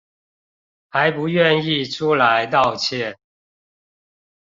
還不願意出來道歉